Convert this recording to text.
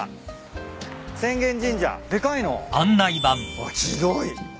あっ広い。